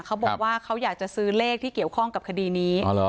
เขาบอกว่าเขาอยากจะซื้อเลขที่เกี่ยวข้องกับคดีนี้